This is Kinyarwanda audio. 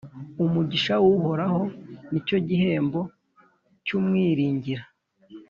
Umugisha w’Uhoraho, ni cyo gihembo cy’umwiringira,